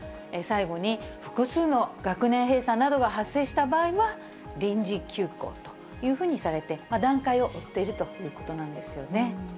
最後に、複数の学年閉鎖などが発生した場合は、臨時休校というふうにされて、段階を追っているということなんですよね。